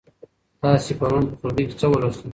تاسې پرون په ټولګي کې څه ولوستل؟